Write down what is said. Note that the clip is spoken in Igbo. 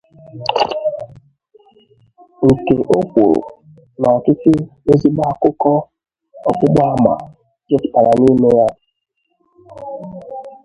nke o kwuru na ọtụtụ ezigbo akụkọ ọgbụgba ama jupụtara n'ime ya.